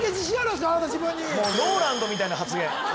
自分にもうＲＯＬＡＮＤみたいな発言